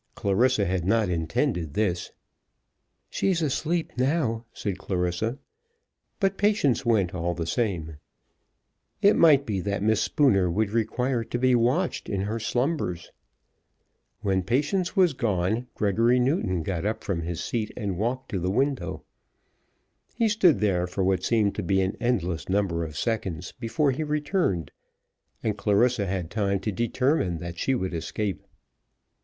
Clarissa had not intended this. "She's asleep now," said Clarissa. But Patience went all the same. It might be that Miss Spooner would require to be watched in her slumbers. When Patience was gone Gregory Newton got up from his seat and walked to the window. He stood there for what seemed to be an endless number of seconds before he returned, and Clarissa had time to determine that she would escape.